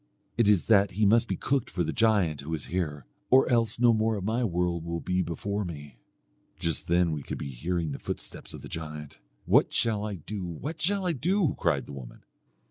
'It is that he must be cooked for the giant who is here, or else no more of my world will be before me.' Just then we could be hearing the footsteps of the giant, 'What shall I do? what shall I do?' cried the woman.